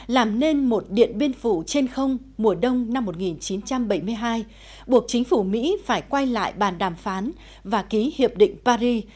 làm nên một điện biên phủ trên không mùa đông năm một nghìn chín trăm bảy mươi hai buộc chính phủ mỹ phải quay lại bàn đàm phán và ký hiệp định paris